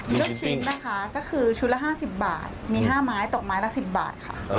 ลูกชิ้นนะคะก็คือชุดละ๕๐บาทมี๕ไม้ตกไม้ละ๑๐บาทค่ะ